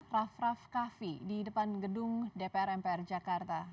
raff raff kahvi di depan gedung dpr npr jakarta